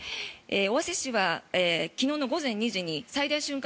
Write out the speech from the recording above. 尾鷲市は昨日午前２時に最大瞬間